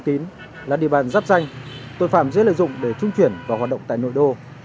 tín là địa bàn dắp danh tội phạm dễ lợi dụng để trung chuyển và hoạt động tại nội đô